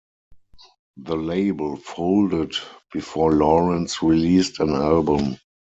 The label folded before Laurence released an album.